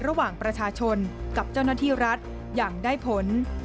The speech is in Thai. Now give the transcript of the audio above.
ระหว่างประชาชนกับเจ้าหน้าที่รัฐอย่างได้ผล